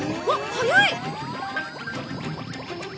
速い！